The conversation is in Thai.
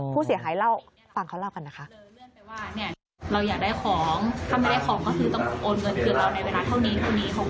ผู้เสียหายเล่าฟังเขาเล่ากันนะคะ